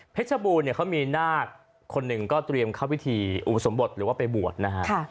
เพชรบูรณ์เขามีนาคคนนึงก็เตรียมเข้าวิธีอุปสรมบทหรือว่าไปบวชนะคะ